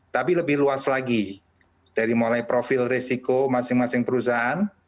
tapi lebih luas lagi dari mulai profil resiko masing masing perusahaan